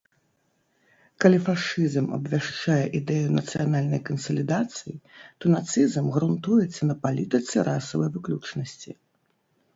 Калі фашызм абвяшчае ідэю нацыянальнай кансалідацыі, то нацызм грунтуецца на палітыцы расавай выключнасці.